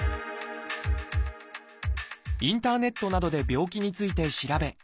インターネットなどで病気について調べ